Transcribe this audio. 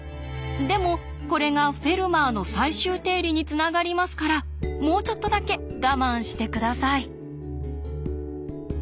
でもこれが「フェルマーの最終定理」につながりますからもうちょっとだけ我慢して下さい。